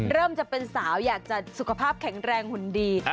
จะเป็นสาวอยากจะสุขภาพแข็งแรงหุ่นดี